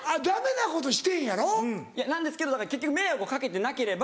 なんですけど結局迷惑をかけてなければ。